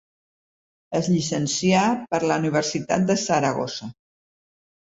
Es llicencià per la Universitat de Saragossa.